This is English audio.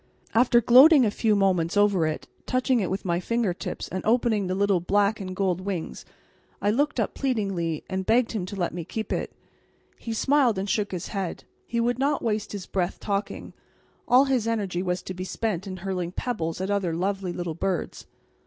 After gloating a few moments over it, touching it with my finger tips and opening the little black and gold wings, I looked up pleadingly and begged him to let me keep it. He smiled and shook his head: he would not waste his breath talking; all his energy was to be spent in hurling pebbles at other lovely little birds.